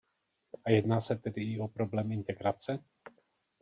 A jedná se tedy i o problém integrace?